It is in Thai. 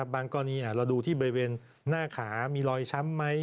กรณีเราดูที่บริเวณหน้าขามีรอยช้ำไหม